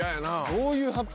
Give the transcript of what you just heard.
どういう発表？